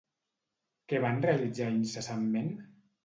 Què van realitzar incessantment?